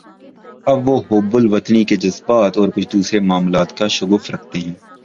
اب وہ حب الوطنی کے جذبات اور کچھ دوسرے معاملات کا شغف رکھتے ہیں۔